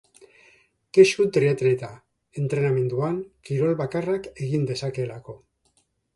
Kexu triatleta, entrenamenduan, kirol bakarrak egin dezakeelako.